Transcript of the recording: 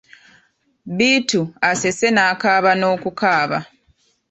Bittu asese n'akaaba n'okukaaba.